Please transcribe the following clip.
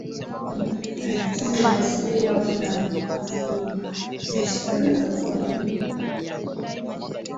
unatakiwa kuwa na mpango wa biashara kwa muda mrefu